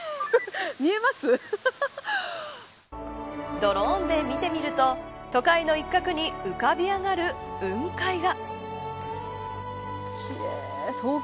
ドローンで見てみると都会の一角に浮かび上がる雲海が。